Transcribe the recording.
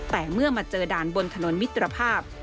แต่เมื่อมาเจอด่านบนถนนมิตรภาพ